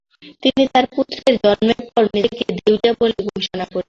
তিনি তার পুত্রের জন্মের পর নিজেকে দেউলিয়া বলে ঘোষণা করেছিলেন।